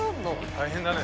大変だね。